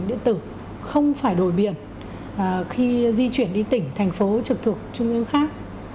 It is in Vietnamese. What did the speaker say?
điện tử không phải đổi biển khi di chuyển đi tỉnh thành phố trực thuộc trung ương khác